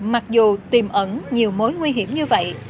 mặc dù tiềm ẩn nhiều mối nguy hiểm như vậy